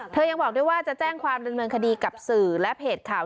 ยังบอกด้วยว่าจะแจ้งความดำเนินคดีกับสื่อและเพจข่าว